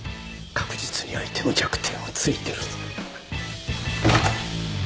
確実に相手の弱点を突いてる。